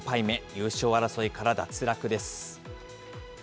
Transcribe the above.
優勝争いから脱落です。